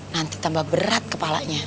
nanti tambah berat kepalanya